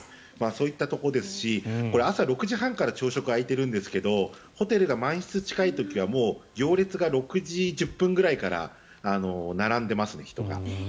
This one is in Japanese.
そういったところですし朝６時半から朝食が開いてるんですがホテルが満室に近い時は行列が６時１０分ぐらいから並んでいますね、人が。